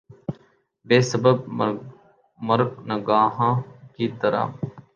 بے سبب مرگ ناگہاں کی طرح